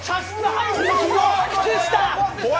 靴下！